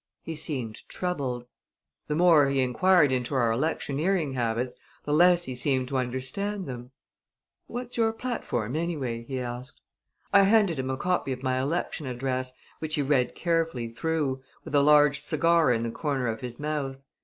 He seemed troubled. The more he inquired into our electioneering habits, the less he seemed to understand them. "What's your platform, anyway?" he asked. I handed him a copy of my election address, which he read carefully through, with a large cigar in the corner of his mouth.